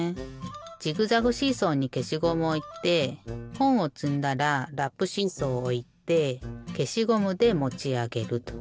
ジグザグシーソーにけしゴムをおいてほんをつんだらラップシーソーをおいてけしゴムでもちあげると。